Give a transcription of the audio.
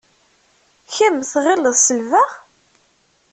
Kemm tɣileḍ selbeɣ?